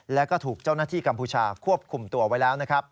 แล้วก็ถูกเจ้าหน้าที่กัมพูชาควบคุมตัวไว้แล้วนะครับ